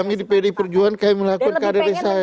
karena pdi perjualan kami melakukan kandilisasi